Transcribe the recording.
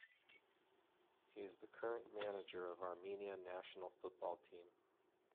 He is the current manager of Armenia national football team.